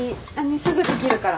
すぐできるから。